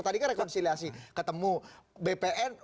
tadi kan rekonsiliasi ketemu bpn